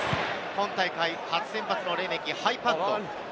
今大会初先発のレメキ、ハイパント。